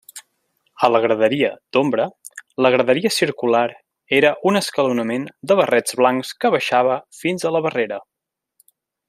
A la graderia d'ombra, la graderia circular era un escalonament de barrets blancs que baixava fins a la barrera.